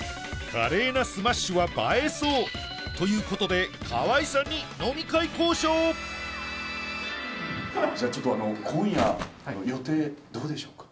華麗なスマッシュは映えそうということで河合さんにじゃあちょっとあの今夜予定どうでしょうか？